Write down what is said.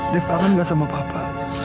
dev kangen gak sama papa